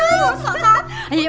serius banget ya